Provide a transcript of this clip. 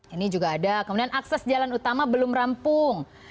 ini juga ada kemudian akses jalan utama belum rampung